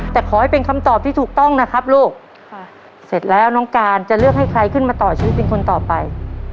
แต่ขอให้เป็นคำตอบที่ถูกต้องนะครับลูกค่ะเสร็จแล้วน้องการจะเลือกให้ใครขึ้นมาต่อชีวิตเป็นคนต่อไป